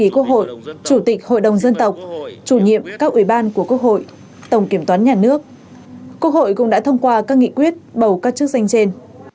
quốc hội cũng đã thông qua các nghị quyết bầu các chức danh trên